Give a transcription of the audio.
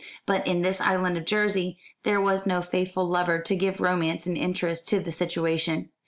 But in this island of Jersey there was no faithful lover to give romance and interest to the situation.